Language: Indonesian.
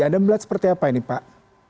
anda melihat seperti apa ini pak